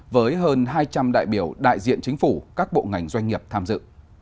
với hơn hai trăm linh đại biểu đại diện chính phủ các bộ ngành doanh nghiệp tham dự